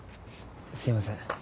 すいません